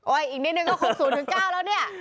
อุ้ยอีกนิดนึงก็๖๐๙แล้วเนี่ย